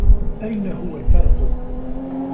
أين هو الفرق؟